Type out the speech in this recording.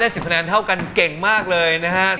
ได้๑๐คะแนนเท่ากันเก่งมากเลยนะครับ